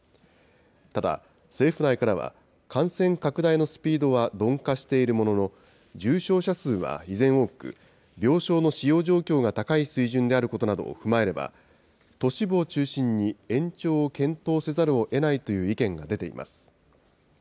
ただ、政府内からは、感染拡大のスピードは鈍化しているものの、重症者数は依然多く、病床の使用状況が高い水準であることなどを踏まえれば、都市部を中心に延長を検討せざるをえないという意見が出ています。